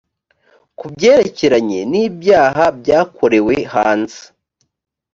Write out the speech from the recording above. ku byerekeranye n ibyaha byakorewe hanze